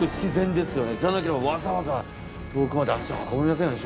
じゃなきゃわざわざ遠くまで足運びませんよね